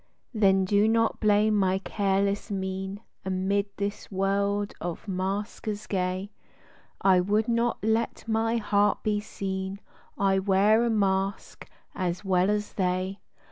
107 Then do not blame my careless mien Amid this world of maskers gay, I would not let my heart he seen — I wear a mask as well as they.